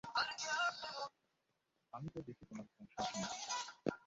আমি তো দেখছি তোমার ধ্বংস আসন্ন।